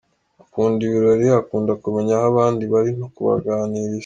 Akunda ibirori, akunda kumenya aho bandi bari no kubaganiriza.